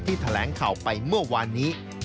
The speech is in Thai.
แถลงข่าวไปเมื่อวานนี้